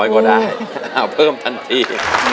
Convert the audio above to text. ๑๐๐ก็ได้เอาเพิ่มทันที